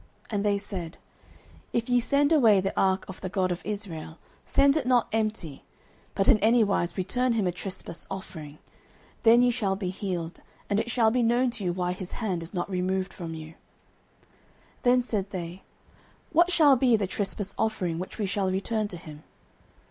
09:006:003 And they said, If ye send away the ark of the God of Israel, send it not empty; but in any wise return him a trespass offering: then ye shall be healed, and it shall be known to you why his hand is not removed from you. 09:006:004 Then said they, What shall be the trespass offering which we shall return to him?